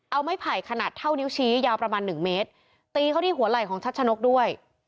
เอาไม้ไผ่ขนาดเท่านิ้วชี้ยาวประมาณหนึ่งเมตรตีเข้าที่หัวไหล่ของชัดชะนกด้วย